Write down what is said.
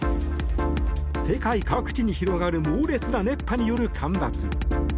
世界各地に広がる猛烈な熱波による干ばつ。